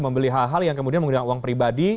membeli hal hal yang kemudian menggunakan uang pribadi